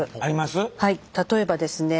例えばですね